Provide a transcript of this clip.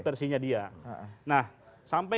versinya dia nah sampai